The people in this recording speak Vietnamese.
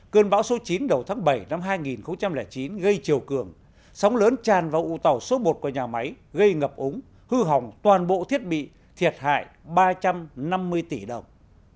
cơn bão số chín đầu tháng bảy năm hai nghìn chín gây chiều cường sóng lớn tràn vào ủ tàu số một của nhà máy gây ngập úng hư hỏng toàn bộ thiết bị thiệt hại ba trăm năm mươi tỷ đồng